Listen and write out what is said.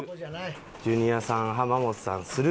ジュニアさん浜本さんスルー。